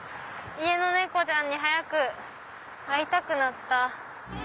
家の猫ちゃんに早く会いたくなった。